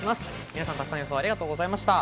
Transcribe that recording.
皆さん沢山予想ありがとうございました。